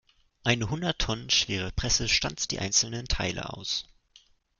Eine hundert Tonnen schwere Presse stanzt die einzelnen Teile aus.